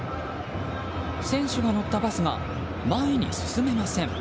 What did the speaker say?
選手が乗ったバスが前に進めません。